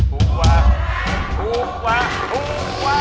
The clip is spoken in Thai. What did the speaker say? ถูกกว่าถูกกว่าถูกกว่า